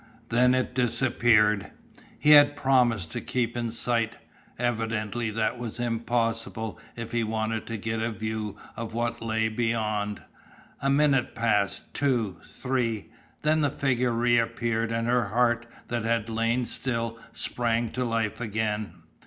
Then it disappeared. He had promised to keep in sight. Evidently that was impossible if he wanted to get a view of what lay beyond. A minute passed, two, three then the figure reappeared and her heart that had lain still sprang to life again.